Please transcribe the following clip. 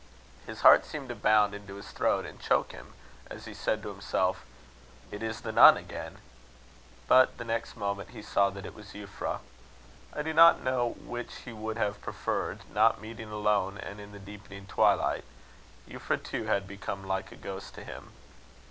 His heart seemed to bound into his throat and choke him, as he said to himself: "It is the nun again!" But the next moment he saw that it was Euphra. I do not know which he would have preferred not meeting alone, and in the deepening twilight: Euphra, too, had become like a ghost to him.